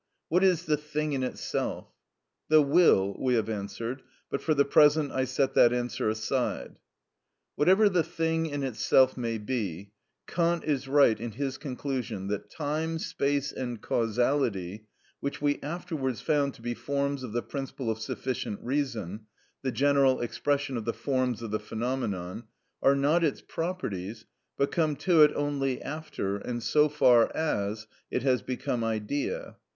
What is the thing in itself? The will, we have answered, but for the present I set that answer aside. Whatever the thing in itself may be, Kant is right in his conclusion that time, space, and causality (which we afterwards found to be forms of the principle of sufficient reason, the general expression of the forms of the phenomenon) are not its properties, but come to it only after, and so far as, it has become idea.